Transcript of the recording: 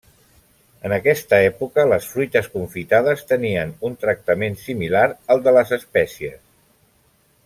En aquesta època, les fruites confitades tenien un tractament similar al de les espècies.